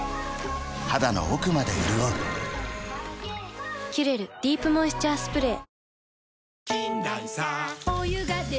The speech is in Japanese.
肌の奥まで潤う「キュレルディープモイスチャースプレー」